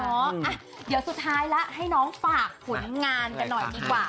เดี๋ยวสุดท้ายแล้วให้น้องฝากผลงานกันหน่อยดีกว่า